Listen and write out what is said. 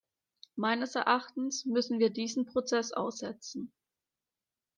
Meines Erachtens müssen wir diesen Prozess aussetzen.